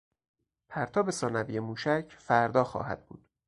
پرتاب ثانوی موشک فردا خواهد بود.